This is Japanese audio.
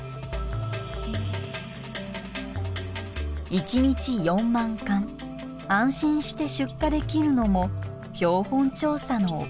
１日４万缶安心して出荷できるのも標本調査のおかげ。